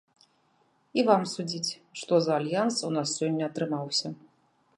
І вам судзіць, што за альянс у нас сёння атрымаўся.